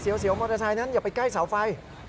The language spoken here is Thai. เดี๋ยวมอเตอร์ไซค์นั้นอย่าไปใกล้เสาไฟ